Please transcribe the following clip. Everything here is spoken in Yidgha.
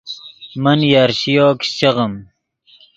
من یرشِیو کیشچے غیم